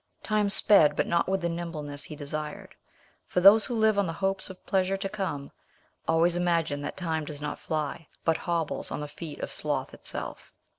Time sped, but not with the nimbleness he desired; for those who live on the hopes of pleasure to come, always imagine that time does not fly, but hobbles on the feet of sloth itself.